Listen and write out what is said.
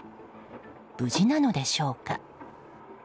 無事なのでしょうか。